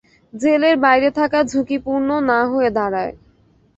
জেলের বাইরে থাকা ঝুঁকিপূর্ণ না হয়ে দাঁড়ায়।